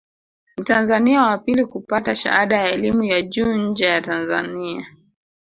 Mtanzania wa pili kupata shahada ya elimu ya juu nje ya Tanzania